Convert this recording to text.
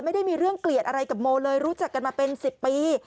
ไม่ได้มีเรื่องเกลียดอะไรกับโมเลยรู้จักกันมาเป็น๑๐ปี